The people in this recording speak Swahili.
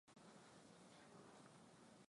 afisa wa shirika la afya la umoja wa mataifa